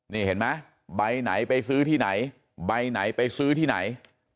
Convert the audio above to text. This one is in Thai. นี่เห็นไหมใบไหนไปซื้อที่ไหนใบไหนไปซื้อที่ไหน